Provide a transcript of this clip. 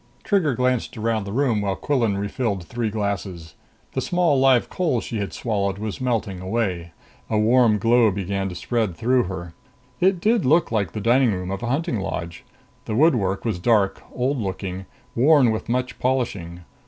Trigger glanced around the room while Quillan refilled three glasses. The small live coal she had swallowed was melting away; a warm glow began to spread through her. It did look like the dining room of a hunting lodge. The woodwork was dark, old looking, worn with much polishing.